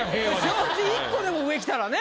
昇吉１個でも上きたらね。